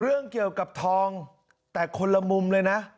เรื่องเกี่ยวกับทองแต่คนละมุมเลยนะ